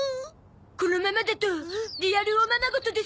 このままだとリアルおままごとですな。